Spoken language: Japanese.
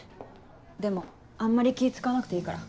でもあんまり気使わなくていいから。